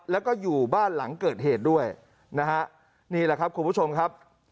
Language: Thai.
แล้วก็อยู่บ้านหลังเกิดเหตุด้วยนะฮะนี่แหละครับคุณผู้ชมครับ